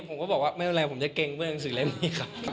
ผมก็บอกว่าไม่เป็นไรผมจะเกรงเพื่อนหนังสือเล่มนี้ครับ